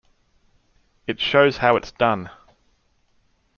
It shows how it's done".